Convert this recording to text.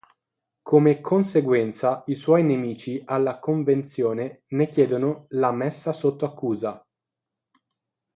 Come conseguenza, i suoi nemici alla Convenzione ne chiedono la messa sotto accusa.